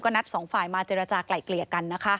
นัดสองฝ่ายมาเจรจากลายเกลี่ยกันนะคะ